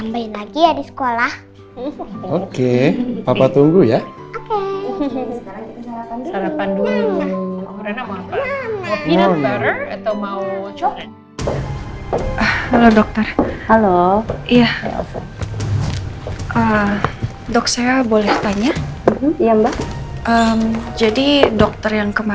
biar tidurnya nyenyak